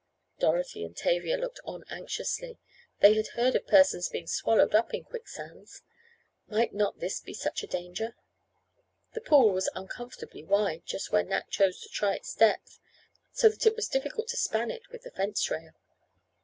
Dorothy and Tavia looked on anxiously. They had heard of persons being swallowed up in quick sands. Might not this be such a danger? The pool was uncomfortably wide just where Nat chose to try its depth, so that it was difficult to span it with the fence rail.